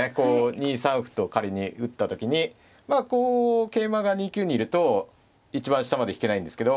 ２三歩と仮に打った時にまあこう桂馬が２九にいると一番下まで引けないんですけど。